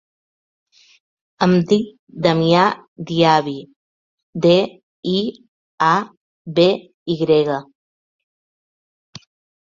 Em dic Damià Diaby: de, i, a, be, i grega.